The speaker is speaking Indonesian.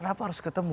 kenapa harus ketemu